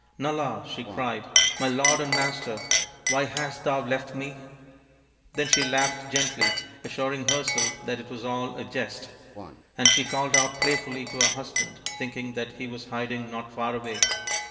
" Nala," she cried, " my lord and master, why hast thou left me ?" Then she laughed gently, assuring herself that it was all a jest, and she called out playfully to her husband thinking that he was hiding not far away.